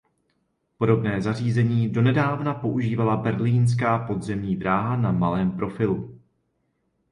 Podobné zařízení donedávna používala berlínská podzemní dráha na malém profilu.